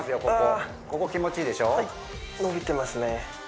ここここ気持ちいいでしょ伸びてますね